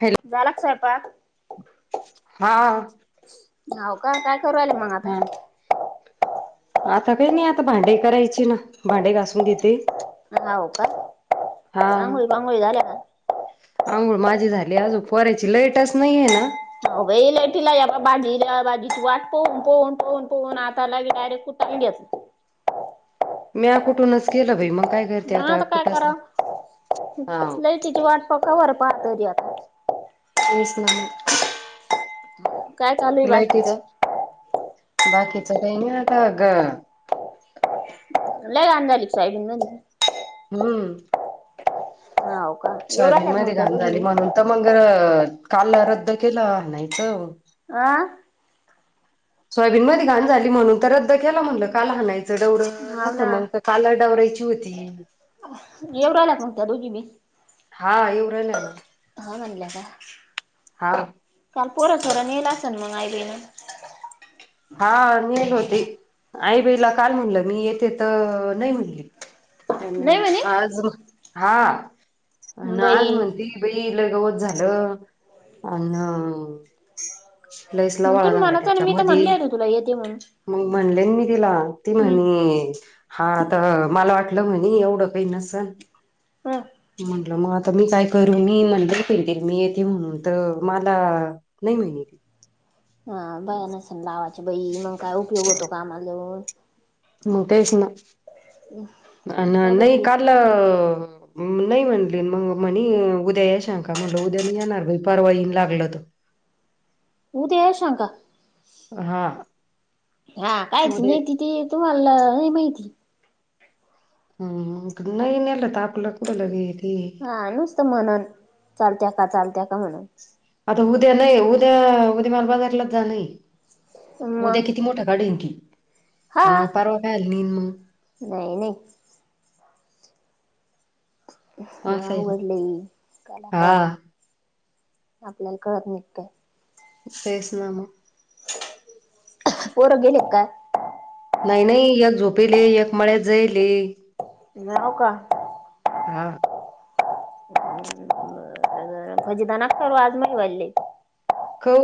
Hello झाला का स्वयंपाक हा हो का काय करू लागले? म आता! हा आता काही नाही आता भांडे करायचे ना, भांडे घासून घेते. हो करा ओ करा, हा आांघोळी बांगोळी झाल्या का? आंघोळ माझी झाली अजून पोराची लाईटच नाहीये ना. ह लटिला बा बाजीला बाजीची वाट पहून पोहून पोहून पोहन आता लागे डायरेक्ट कुट्टा नी बेस मी कुठूनच केलं बाई मग. काय करते मग आता काय करा कुठचला हा लाइटीची वाटपा खबर पाह तरी आता तेच ना. [unintelligible] लाइटी ची बाकीचं? बाकी च काही नाही आता आग! लय आधारि साईड. हम्म हाव का येऊ सोयाबीन राहिल्या माहितीये मग का त्या घाान दोघी झाली बी? म्हणुन, तर मग काल रद्द केला नाहीयचं. आ. सोयाबीन मध्ये घाण झाली म्हणून तर रद्द केलं म्हटलं. काल आणायचं डवर हाव ना न मग काला डवरायची होती. येउदे आलाक म्हणते दोघी बी! हा येऊ राहिल ना. हा म्हणल्या त्या हा काल पोर थोर नेल असल मग आई बन. हा नेत होते आईबाईला काय म्हणलं मी येते तर नाही म्हणले, नाही म्हणे? आज हा आज बाई म्हणती. बाई लगवत झालं अन लईसला मग वळा तुम्ही झाला म्हणायचं ना मी तर त्याच्यामध्ये, म्हणले होते तुला येते म्हणून. मग म्हणले मी तिला ती हम्म म्हणे हा तर मला वाटलं म्हणे एवढं काही नसल ह मग आता मी काय करू मी मंडर फेतील मी येते म्हणून तर मला नाही म्हहिन हा बया नस ना लाावाची बई मग काय उपयोग होतो कामाज तेच ना काढून नाही घे काल नाई म्हंली मग म्हणे उद्या येशां का म्हणल उद्याने येणार भाई परवा येन लागलं त उदया येशंका हा हा काइच उद्या निती ती तुमाला नहीं माइती हम् ग नईनेल तपला कुडल नेल ह नुसत म्हणून चालत्या का चालत्या का म्हणून आता उद्या नाही उद्या उद्या मार बाजारला जा नाही मग उद्या किती मोटा गाडी की आणि मग परवा काय आली नन मग नाइ नाइ असं आहे ना नाऊले कलाकारारी हा आपल्याल कळत निगतय तेस ना मग पोर गेली का काय नाइ नाइ एक झोपिले एक मळ्यात जाइले [unintelligible] हा भोजी दना आज मही बली कऊ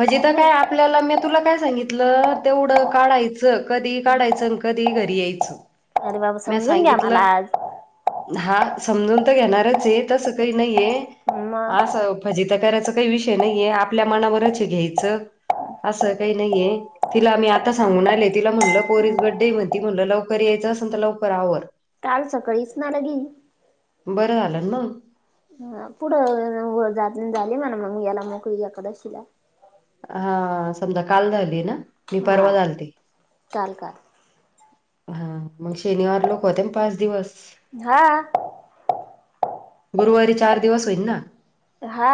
हजे तर काय आपल्याला मी तुला काय सांगितलं तेवढं काढायचं कदि काडायचं अन कदि घरी यायचं अरे बाबा म्या समजून घ्या मला सांगितलं आज हा समजून तर घेणारचय तसं काय नाइय मग असं फजित्या करायच काय विषय नाहीये आपल्या मनावरच घ्यायचं असं काइ नाइये तिला मी आता सांगून आले तिला म्हणटलं पोरीज बडडे मध्ये त म्हटलं लवकर यायचं असेल तर लवकर आवर काल सकाळीच ना लगी बरं जालं न मग ह पुड जात जाली मणा मग याला मोकळी द एकादशीला हा संद्याकाल झाली ना मी परवा हा झालती [unintelligible] ह मग शनिवार लोक ओते न पाच दिवस हा गुरुवारी चार दिवस होईल ना हा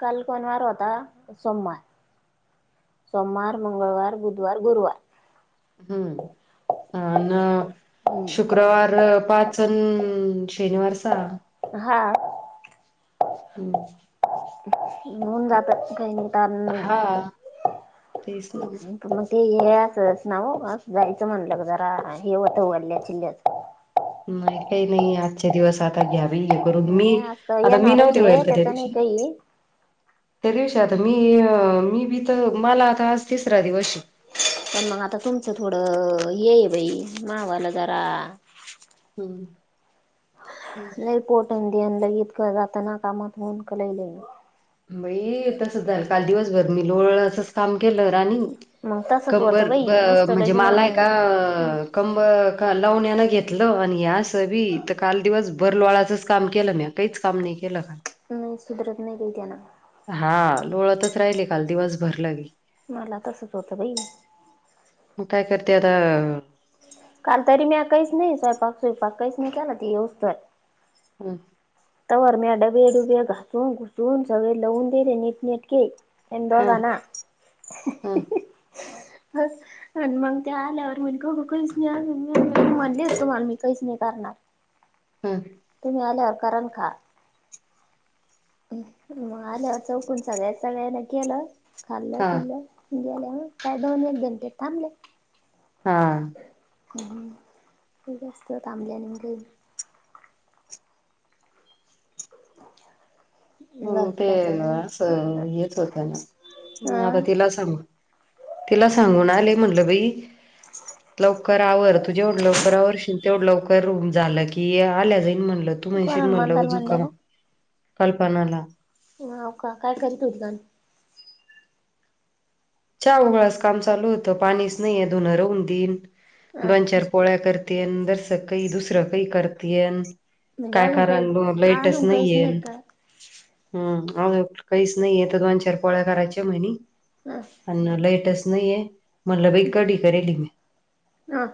काल कोनवार ओता सोमवार सोमवार मंगळवार बुदवार गुरुवार हम्म अन् शु हम्म शुक्रवार पाचन शनिवार सा हा हम् होऊन जातात काही नि कार नाही तेस ना पण मग ते हे असंच नाव जायचं म्हणलं जरा हे होतं वल्ल्या चिल्ल्याच नाही काही नाही आजचे दिवस आता घ्यावे येल करून मी नाही असं आता मी येणारच नव्हती आहे होईल का त्या त्याच नाही दि काही त्या दिवशी आता मी मी बी तर मला आता आज तिसरा दिवशे. पण मग आता तुमचं थोडं हे आहे बाई मावाला जरा हम् लय पोटन देन लय इतक जातना कामातून, क लय-लय-लय बई तस झालं, काल दिवसभर मी लोळ अस काम केलं राणी, मग तसच होतं कंबर बाई ब नुसतं म्हणजे लगी मग मलाय का कंब -ख लावण्यान घेतलं आणि या असं बी इथ काल दिवसभर लोळाचंच काम केलं म्या. तेच काम नी केलं काल. नाही सुधरत नाही बाई त्यान. हा लोळातच राहिले काल दिवसभर लबी. मला तसच होतं बई. मग काय करते आता काल तरी मी काहीच नाही स्वयंपाक -स्वयंपाक काहीच नाही केला ती येईस्तोवर. हम्म तवर म्या डबे -डुबे घासून- घुसून सगळे लवून दिले नीटनेटके. एंदो ह नाना ह [unintelligible] [inaudible] आणि मग त्या आल्यावर म्हणे खाऊ कहीच आणण्यान [unintelligible] म म्हणलेच तु मला मी कहीच नाही करणार. हं. तुम्ही आल्यावर करा न खा. मग आल्यावर चौकून सगळ्या -सगळ्यान केलं. खाल्लं हा पिलं गेल्याव काय दोन एक घंटे थांबले. हा. हम्म -हम्म ती जास्त थांबली आणि म घई हम्म बाकी ते काय चालू असं येत होतं ना. म आता अं तिला सांग -तिला सांगून आले म्हटलं बई. लवकर आवर, तू जेवढं लवकर आवरशील तेवढं लवकर वरून झालं की ये आल्या जाईन म्हणलं. तू म्हणशी कोणाला म्हणलं मंदाला म्हणल्या जूखाम कल्पनाला. नाव्ही का काय करीत [unintelligible] च्या वूगळाच काम चालू होतं, पाणीच नाहीयेए धूनरहून दिन अ दोन, चार पोळ्या कर तेन दस काही दुसरं काही करतेेस. म्हणजे काय अजून काही कराण बाबा लईटच अजून काहीच नाही नाहीयेन. काय हम्म अ काहीच नाही आहे तर दोन, चार पोळ्या करायच्या म्हणी. व्हय [unintelligible] अन लाईटच नाहीये म्हणल बाई कढी करायले मी. अ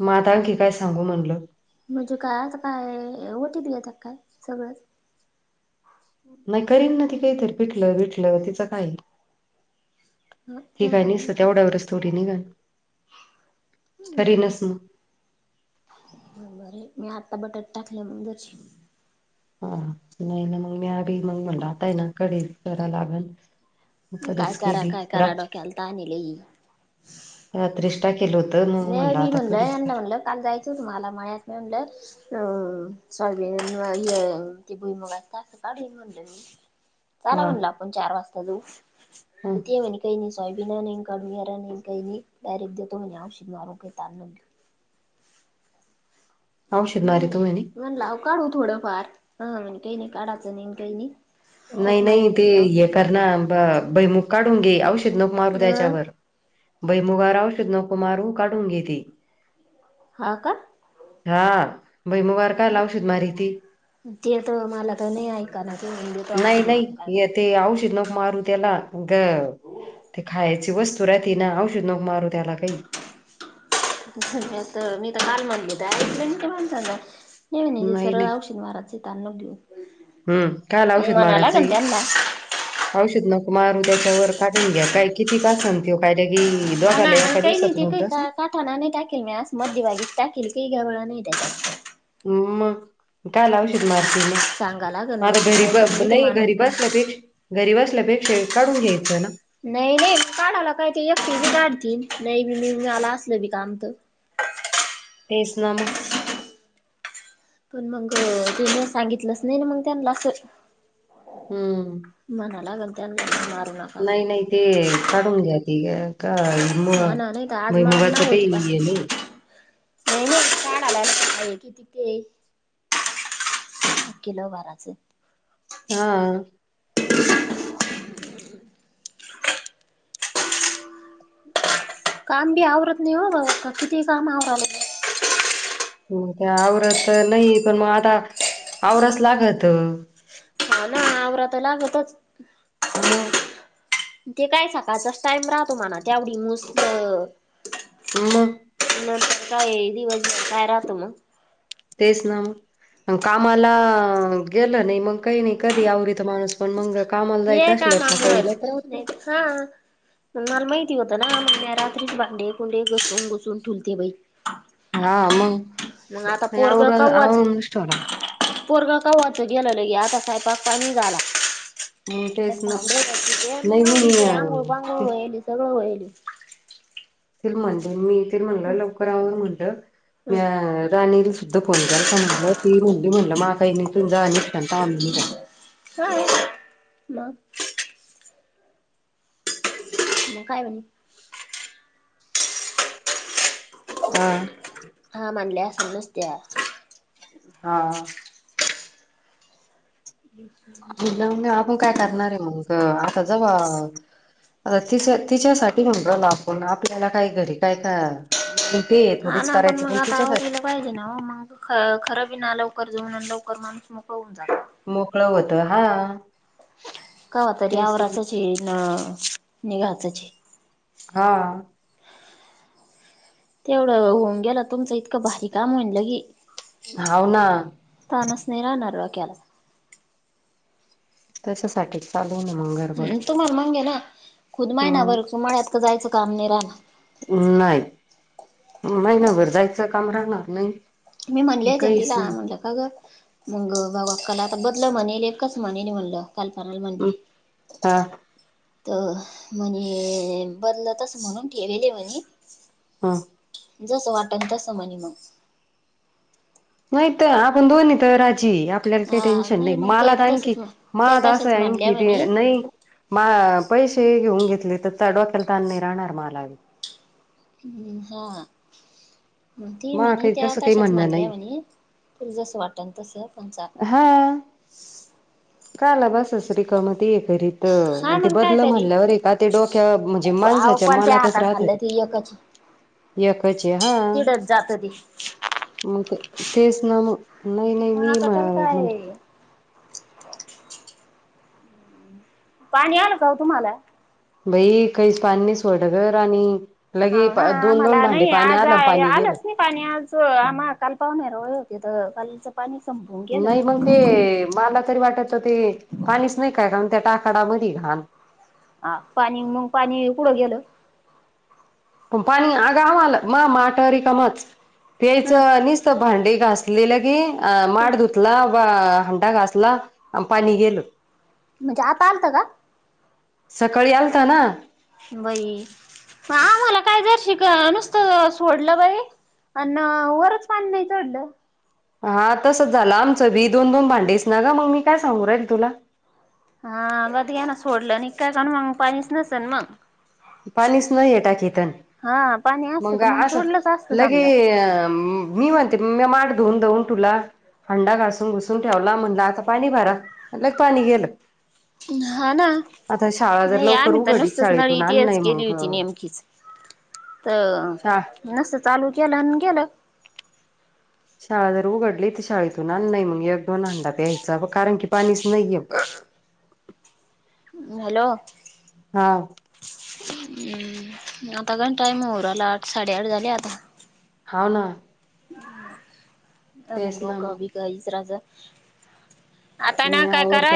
म आता आणखी काय सांगू म्हटलं. म्हणजे काय आता काय ओ टी पी येतात काय सगळंच. नाही करीन ना ती काहितरी पिटलं बिटलं तिचं काये. हा ती काय एवढा निसत तेवढ्यावरच थोडी निघन करीनच मग. [unintelligible] मी आता बटाट टाकलं म बसली. [unintelligible] हा नाही ना, मग म्या भी मग म्हणलं आताय ना कढी करा लागन. काय कढीच करा केली काय करा राचीच डोक्याला ताण आहे लई. [unintelligible] रात्रीसटा केलं होतं मग म्हणलं आता मी काय कढीच कर म्हटलं काल जायचं तुम्हाला मयात म्हणटलं. हम्म [unintelligible] सब ते भुई मग असं काढली म्हण मी. चाला हा म्हणलं आपण चार वाजता जाऊ हा तर ते ये म्ह कई नई सोयबीन नाही काडून घेरानी काही डायरेक्ट देतो म्हणे आवशिद मारून काही तारून. [unintelligible] औषध म्हण मारितो म्हणी? म्हणलं अहो काढू थोडं फार, हा हं काही नाही काढाचं नाहीे काही नाही. नाही एक -नाही, महिने ते दिले हे औषध कर ना ब- बैमुग काढून घे औषध नको मारू मारून. अ त्याच्यावर. बैमुगावर औषधी नको मारू काढून घेते. हा का? हा भैमुगार काय ला औषध मारीती. ते तर मला तर नाही कान्हाचं मंदिर. नाही नाही य ते औषद नग मारू त्याला ग ते खायची वस्तू राहती ना, औषध नक मारू त्याला काही मी तर घाल म्हणली, ऐकल नाय त्या माणसानं. नाही म्हणायचं सरळ औषध माराचं [unintelligible] देवू हम्म काल मग औषध म्हणा लागन मारायचंय त्यांना. औषध नक मारू त्याच्यावर, काढून घ्या काय किती का सन क आसन लगी दौ हा ना. [unintelligible] आणि एका काही नाही दिवसात ते होत काही असं. [unintelligible] ह म. काल आवशिद मग मारती मग सांगा लागन मग आता घरी काय तर ब ते नाही माणूस घरी बी बसल्या पेक्षा घरी बसण्यापेक्षा हे काढून घ्यायचं ना. नाही नाही काढाला काही, ते एकटी बी काडतील नाही बी म मिळाल असल बी काय त तेच, ना म. पण मग तुनी सांगितलंच, नाही ना मग त्यांना असं हम्म! मना लागलं त्यानला मारन. नाही नाही ते काढून घ्या, ते एका म हा ना नाही तर आज भुईमुगाच मारणार होती पण काही ये नाही. नाही नाही काल आला, सकाळी कि ती ते [unintelligible] किलो भराचे. हा आ. काम बी आवरत नाही हो, किती काम आवरालोय. हो ते आवरत नाही, पण मग आता आवराचं लागतं. हा ना, आवरा त लागतचं मग. ते काय सकाळ चाच टाइम राहतो, म्हणा त्यावढी नुस्त म नंतर काय दिवस भर काय राहतो मग. तेच ना मग कामाला गेलं नाही, मग काही नाही कधी आवरीत माणूस पण मंग कामाला जायचं हे असल्यावर सकाळी कामामुळेच लवकर उठ नाही हा आ मला माहिती होतं ना, मग म्या रात्रीच भांडे कुंडे घसून बुसून ठुलते बाई! हा अ म मग आता आणि आवरून आवरूचं ठेवला. पोरगा कावाच गेल लगे, आता स्वयंपाकाचा पाणी झाला. मग ते तेच ना नाही पांढय्रा [unintelligible] मी अ, द्या आंघोळ पांगोळ ते व्हायली सगळं व्हायली. मिळतील म्हणल, मिळतील हं, म्हणल, लवकर आवर म्हणलं हं, म्या राणी तिथं फोन केला तर म्हटलं, ती म्हणली म्हटलं माग काही नाही तून जाऊ तवा निघ [unintelligible] मग म काय म्हणे? हा. हा, म्हनले असलंचं त्या. हा. [unintelligible] म आपण काय करणार आहो, मग आता जवा आता ति तिच्यासाठी नंबरला आपण आपल्याला काही घरी काय का? हा, ना पण मग आता तिच्यासाठी आवरिला पाहिजे, ना हो मग? ख खरं बी ना लवकर जाऊन लवकर माणूस मोकळ होऊन जात. मोकळ होत हा. कवा तरी तेच आवराचची न निघाचचे. हा. तेवढं होऊन गेला. तुमचं इतकं भारी काम म्हणलं की, हाव ना. ताणच नाही राहणार. डोक्याला त्याच्यासाठी चालू ना मग गरबड हम्म तुम्हाला म्हणाले ना खुद महिना भर मळ्यात काय जायचं काम नाही राहणार. अ नाही महिनाभर जायचं काम राहणार नाही. मी म्हणले होते न काहीच तिला नाही म्हटलं, काग मग बाघ अकाला आता बदलं म्हणेल एकच म्हणेल म्हणलं कालपणाला म्हणली, हा हा. तो म्हणे बदलतसं म्हणून केलेले म्हणे. हा. जसं वाटल तसं म्हणे मग, नाहीत आपण दोन तर राजी आपल्याला काही हा टेन्शन नाही. मग मला त्या बी तर आणखी तसंच म्हण त्या मला असं तशाच आहे मांडल्या आणखी ते म्हणे नाही. मा पैसे घेऊन घेतले तर, त डोक्याला ताण नाही राहणार मला. हम् हा. ती मा म्हणे काही त्या तसं काही तशाच म्हणणं म्हणल्या नाही म्हणे, त जस वाटल तसं पण चाल हा काला बसस रीकाम ते एकरीत तर हा आणि ते मग काय बदल तरी म्हणल्यावर एका ते डोक्या म्हणजे अहो माणसाच्या कोणत्या मनातच हाताने राहत खाल्लं ते. एकच एकाचे हा तिडच जात ते मग, ते तेच ना मग. नाही नाही मग मी आता म त्याला म्हण काय पाणी आलं का वो तुम्हाला? बाई, काहीच पाणी नाही सोड ग राणी. लगे हाव ना दोन दोन आम्हाला भांडे नाही पाणी आज आलं. आ- पाणी गेलं. आलंच नाही पाणी आज आम्हा काल पाहुणे रावळे होते तर कालच पाणी संपलं. नाही मग ते, मला तरी वाटत होते. पाणीच नाही काय कारण त्या टाकाडामध्ये घाण हा पाणी मग पाणी कुठ गेलं? पण पाणी आ गं आम्हाला माट रिकामाच. हा प्यायचं निस त भांडी घासलेलं की, माठ धूत ला. हंडा घासला आणि पाणी गेल. म्हणजे आता आलतं का? सकाळी आलता ना. बाई, आम्हाला कायदर्शीक नुसतं सोडलं बाई. आण वरच पाणी नाही जोडलं. हा तसंच झालं. आमचं बी दोन दोन भांडीस ना ग मग मी काय सांगून राहीली तुला. हा बघ घ्याना सोडलं न काय आणून मग पाणीच नसेल ना. पाणीस नाही आहे टाकीत आणि हा पाणी असतं मंग तर मग असं सोडलंच असतं लगे समजा. मी म्हणते, म्या माठ धुऊन धूऊन धूवला. हांडा घासून पूसून ठेवला. म्हणला आता पाणी भरा. म्हणलं पाणी गेलं. हा ना आता शाळा जर नाही लवकर आम्ही तर उघडली नुसतच नळी शाळेतून आण तिथच नाही केली मग होती. नेमकीच तर, शा नसतं चालू केलं आणि गेलं. शाळा जर उघडली तर शाळेतून आण नाही मग एक दोन अंडा दयायचा कारण की पाणीच नाहीय. हॅलो, हा. हम्म. आता घालताय मोराला साडेआठ झाले आता. हाव ना. अजून तेच ना डोक, मग बीक विचाराचं. आता ना मी काय कराय आवरते